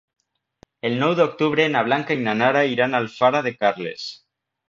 El nou d'octubre na Blanca i na Nara iran a Alfara de Carles.